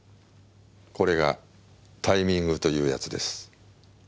これがタイミングというやつです。